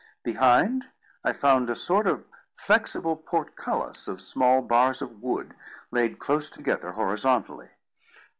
Behind, I found a sort of flexible portcullis of small bars of wood laid close together horizontally.